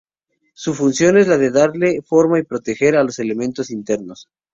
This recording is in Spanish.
Su función es la de darle forma y proteger a los elementos internos.